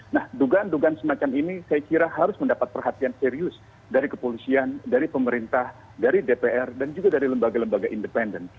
nah dugaan dugaan semacam ini saya kira harus mendapat perhatian serius dari kepolisian dari pemerintah dari dpr dan juga dari lembaga lembaga independen